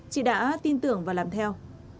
chị đã tin tưởng và làm theo